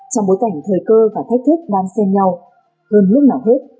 trong bối cảnh thời cơ và thách thức đoàn xem nhau hơn lúc nào hết